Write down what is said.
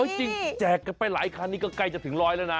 จริงแจกกันไปหลายคันนี้ก็ใกล้จะถึงร้อยแล้วนะ